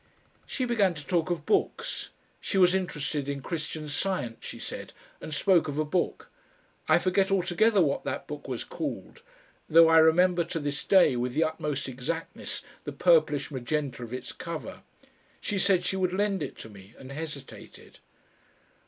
She began to talk of books. She was interested in Christian Science, she said, and spoke of a book. I forget altogether what that book was called, though I remember to this day with the utmost exactness the purplish magenta of its cover. She said she would lend it to me and hesitated.